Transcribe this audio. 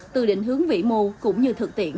từ định hướng vĩ mô cũng như thực tiễn